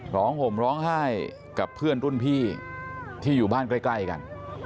ห่มร้องไห้กับเพื่อนรุ่นพี่ที่อยู่บ้านใกล้กัน